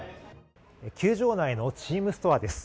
球場内のチームストアです。